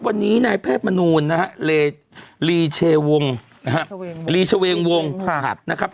วันนี้นายแพทย์ธองนูญนะฮะลีเชวงนะฮะภาพนะครับ